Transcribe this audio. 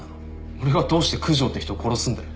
俺がどうして九条って人を殺すんだよ？